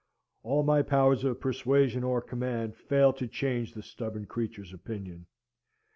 All my powers of persuasion or command fail to change the stubborn creature's opinion.